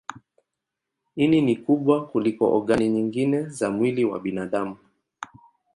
Ini ni kubwa kuliko ogani nyingine za mwili wa binadamu.